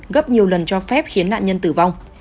gấp nhiều lần cho phép khiến nạn nhân tử vong